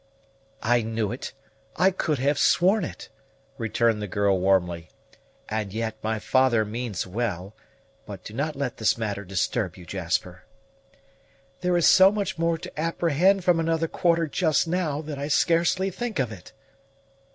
"I knew it I could have sworn it!" returned the girl warmly. "And yet my father means well; but do not let this matter disturb you, Jasper." "There is so much more to apprehend from another quarter just now, that I scarcely think of it."